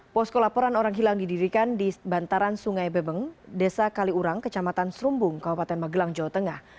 posko laporan orang hilang didirikan di bantaran sungai bebeng desa kaliurang kecamatan serumbung kabupaten magelang jawa tengah